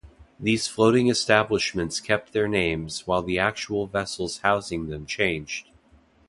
These floating establishments kept their names while the actual vessels housing them changed.